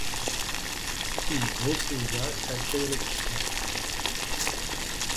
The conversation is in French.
Il refusa cette élection.